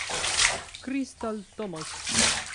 Krystal Thomas